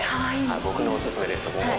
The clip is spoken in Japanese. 僕のおすすめですそこも。